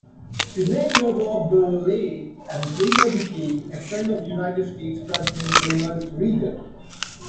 Senator Bob Dole, and later became a friend of United States President Ronald Reagan.